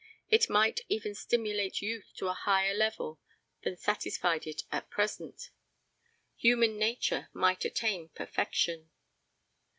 It might even stimulate youth to a higher level than satisfied it at present. Human nature might attain perfection.